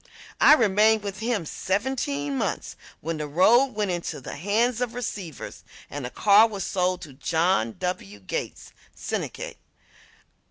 I remained with him seventeen months when the road went into the hands of receivers, and the car was sold to John W. Gates syndicate.